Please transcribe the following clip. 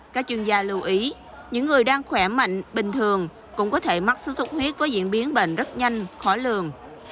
các chuyên gia lưu ý những người đang khỏe mạnh bình thường cũng có thể mắc sốt xuất huyết với diễn biến bệnh rất nhanh khó lường